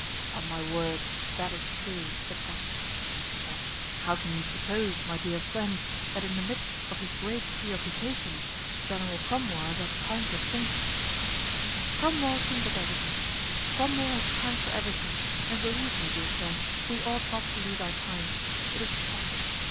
"Upon my word that is true," said Porthos; "but how can you suppose, my dear friend, that in the midst of his great preoccupations General Cromwell has had time to think——" "Cromwell thinks of everything; Cromwell has time for everything; and believe me, dear friend, we ought not to lose our time—it is precious.